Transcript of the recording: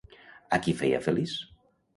A qui feia feliç?